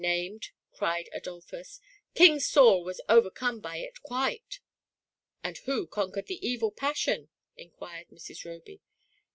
named," cried Adolphus; "King Saul was overcome by it quite !" "And who conquered the evil passion?" inquired Mrs. Roby.